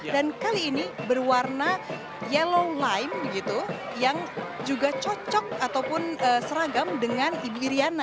dan kali ini berwarna yellow lime gitu yang juga cocok ataupun seragam dengan ibu riana